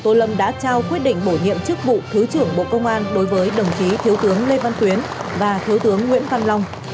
thứ tướng lê văn tuyến và thứ tướng nguyễn văn long